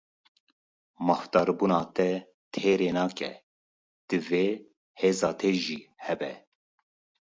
Mafdarbûna te têrê nake, divê hêza te jî hebe.